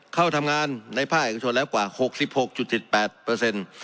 เข้าทำงานในภาคเอกชนแล้วกว่า๖๖๗๘เปอร์เซ็นต์